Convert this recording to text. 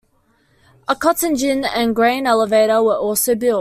A cotton gin and a grain elevator were also built.